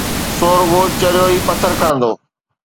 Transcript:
سو رڳو چريو ئي پٿر کڻندو.